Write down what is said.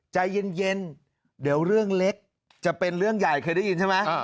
ใจเย็นเดี๋ยวเรื่องเล็กจะเป็นเรื่องใหญ่เคยได้ยินใช่ไหม